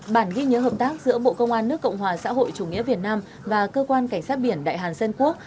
bản ghi nhớ hợp tác giữa bộ công an nước cộng hòa xã hội chủ nghĩa việt nam và cơ quan cảnh sát biển đại hàn dân quốc